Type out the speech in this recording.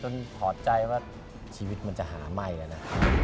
ถอดใจว่าชีวิตมันจะหาไหม้อะนะ